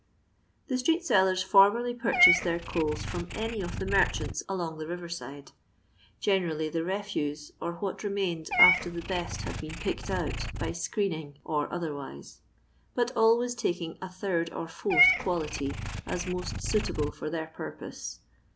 The street sellers formerly purchased their coals firom any of the merchants along the rive^side; generally the refuse, or what remained after the best had been picked out by "skreening" or otherwise ; but always taking a third or fourth quality as most suitable for their purpose.